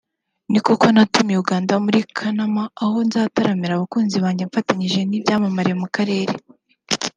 Ni koko natumiwe Uganda Muri Kanama aho nzataramira abakunzi banjye mfatanyije n’ibyamamare mu karere